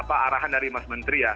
apa arahan dari mas menteri ya